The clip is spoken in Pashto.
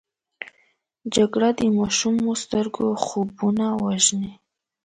جګړه د ماشومو سترګو خوبونه وژني